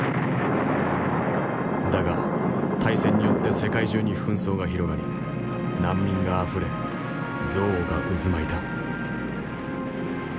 だが大戦によって世界中に紛争が広がり難民があふれ憎悪が渦巻いた。